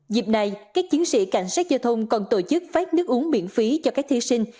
dịp này các chiến sĩ cảnh sát giao thông còn tổ chức phát nước uống miễn phí cho các thí sinh